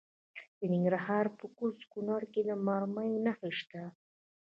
د ننګرهار په کوز کونړ کې د مرمرو نښې شته.